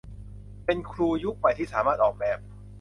เป็นครูยุคใหม่ที่สามารถออกแบบ